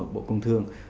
bộ công thương